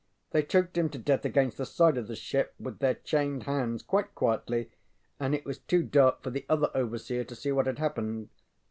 They choked him to death against the side of the ship with their chained hands quite quietly, and it was too dark for the other overseer to see what had happened.